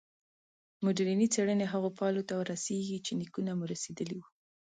مډرني څېړنې هغو پایلو ته رسېږي چې نیکونه مو رسېدلي وو.